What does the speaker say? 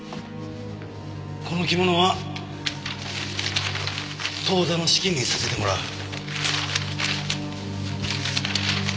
この着物は当座の資金にさせてもらう。